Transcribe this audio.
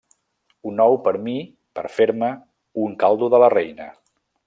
Un ou per mi per fer-me un caldo de la reina.